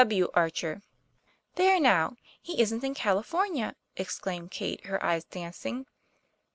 W. Archer." "There, now! He isn't in California," exclaimed Kate, her eyes dancing.